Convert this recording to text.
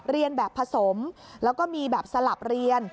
เรียนแบบผสมแล้วก็มีแบบสลับเรียน